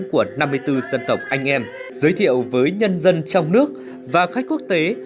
của năm mươi bốn dân tộc anh em giới thiệu với nhân dân trong nước và khách quốc tế